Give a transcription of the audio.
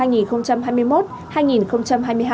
năm hai nghìn hai mươi một hai nghìn hai mươi hai